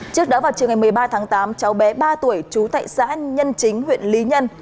trước đó vào trường ngày một mươi ba tháng tám cháu bé ba tuổi chú thệ xã nhân chính huyện lý nhân